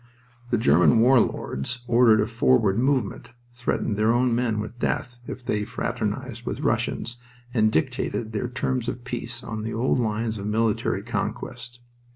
The German war lords ordered a forward movement, threatened their own men with death if they fraternized with Russians, and dictated their terms of peace on the old lines of military conquest.